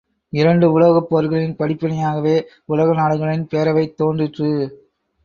இரண்டு உலகப் போர்களின் படிப்பினையாகவே உலக நாடுகளின் பேரவை தோன்றிற்று.